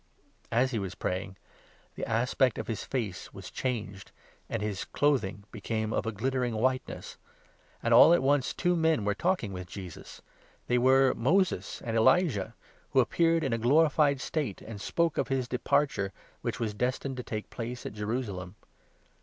As he was pray ing, the aspect of his face was changed, and his clothing became of a glittering whiteness. And all at once two men were talking with Jesus ; they were Moses and Elijah, who appeared in a glorified state, and spoke of his departure, which was destined to take place at Jerusalem.